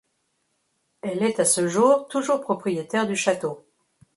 Elle est à ce jour toujours propriétaire du château.